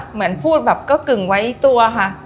เหมือนพูดแบบก็กึ่งไว้ตัวค่ะ